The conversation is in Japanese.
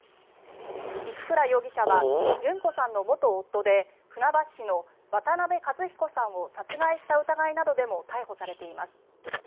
一倉容疑者は旬子さんの元夫で船橋市の渡辺和彦さんを殺害した疑いなどでも逮捕されています。